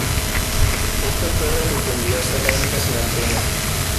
Esta torre pretendía ser la única sin antena.